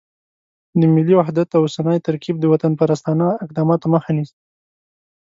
د ملي وحدت اوسنی ترکیب د وطنپرستانه اقداماتو مخه نیسي.